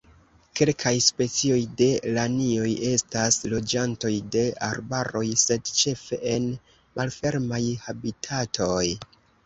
Kelkaj specioj de lanioj estas loĝantoj de arbaroj, sed ĉefe en malfermaj habitatoj.